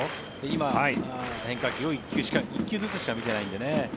今、変化球を１球ずつしか見てないのでね。